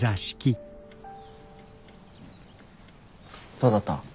どうだった？